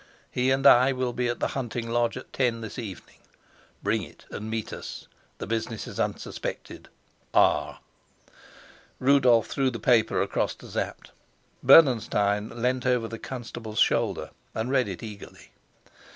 He and I will be at the hunting lodge at ten this evening. Bring it and meet us. The business is unsuspected. R." Rudolf threw the paper across to Sapt; Bernenstein leant over the constable's shoulder and read it eagerly.